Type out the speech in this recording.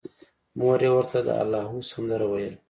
مور یې ورته د اللاهو سندره ویله